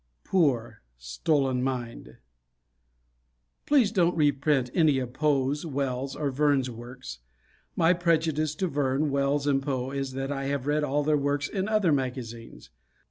Poor: "Stolen Mind." Please don't reprint any of Poe's, Wells', or Verne's works. My prejudice to Verne, Wells and Poe is that I have read all their works in other magazines.